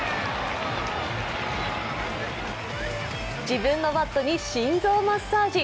自分のバットに心臓マッサージ。